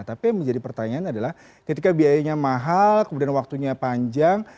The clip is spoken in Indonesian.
tapi yang menjadi pertanyaan adalah ketika biayanya mahal kemudian waktunya panjang